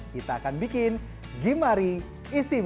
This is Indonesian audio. kita akan bikin gimari isim